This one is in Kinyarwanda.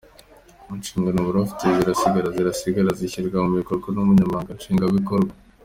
Inshingano bari bafite zirasigara zirasigara zishyirwa mu bikorwa n’Umunyamabanga Nshingwabikorwa.